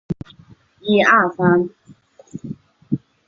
杂种鱼鳔槐为豆科鱼鳔槐属下的一个种。